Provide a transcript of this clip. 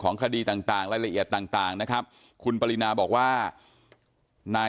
คดีต่างรายละเอียดต่างนะครับคุณปรินาบอกว่านาย